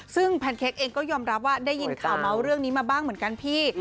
ซึ่งแพนเค้กเองก็ยอมรับว่าได้ยินข่าวเมาส์เรื่องนี้มาบ้างเหมือนกันพี่